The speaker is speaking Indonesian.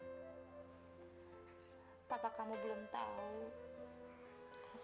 kita kan ki tinggal di rumah sendiri